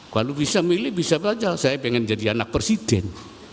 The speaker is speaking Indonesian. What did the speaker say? kalau bisa milih bisa saja saya pengen jadi anak presiden